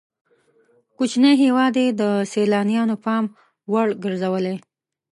کوچنی هېواد یې د سیلانیانو پام وړ ګرځولی.